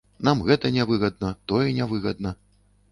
Нам гэта не выгадна, тое не выгадна.